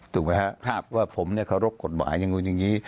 ถูกไหมครับว่าผมเคารพกฎหมายอย่างนู้นอย่างนี้